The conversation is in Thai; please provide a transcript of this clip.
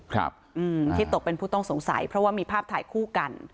ครับอืมที่ตกเป็นผู้ต้องสงสัยเพราะว่ามีภาพถ่ายคู่กัน